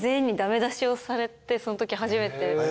そのとき初めて。